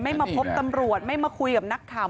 มาพบตำรวจไม่มาคุยกับนักข่าว